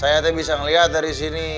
saya nyatanya bisa ngelihat dari sini